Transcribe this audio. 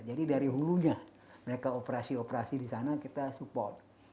jadi dari hulunya mereka operasi operasi di sana kita support